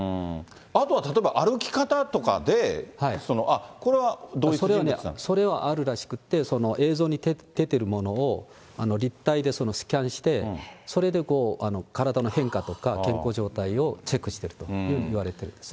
あとは例えば歩き方とかで、その、あっ、それはあるらしくって、映像に出てるものを立体でスキャンして、それで体の変化とか、健康状態をチェックしてるというようにいわれてるんですね。